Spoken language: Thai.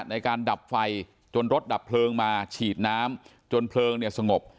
ในการดับไฟจนรถดับเพลิงมาฉีดน้ำจนเพลิงเนี่ยสงบ